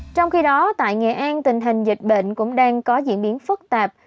trong khi đó tại nghệ an tình hình dịch bệnh cũng đang có diễn biến phức tạp